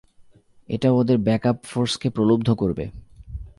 এটা ওদের ব্যাকআপ ফোর্সকে প্রলুব্ধ করবে।